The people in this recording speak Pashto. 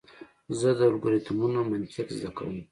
زه د الگوریتمونو منطق زده کوم.